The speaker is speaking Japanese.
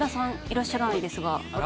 いらっしゃらないですが。